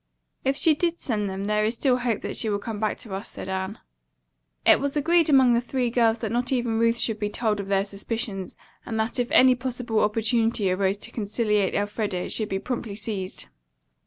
"If she did send them, there is still hope that she will come back to us," said Anne. It was agreed among the three girls that not even Ruth should be told of their suspicions, and that if any possible opportunity arose to conciliate Elfreda it should be promptly seized.